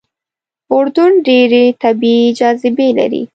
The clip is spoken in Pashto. اردن ډېرې طبیعي جاذبې لري.